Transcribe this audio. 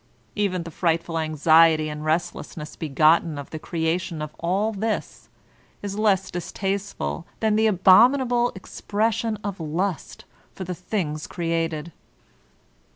Even the frightful anxiety and restlessness begotten of the creation of all this, is less distasteful than the abominable expression of lust for the things created.